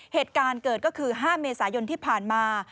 เหตุการณ์เกิดก็คือ๕เมษายนที่ผ่านมา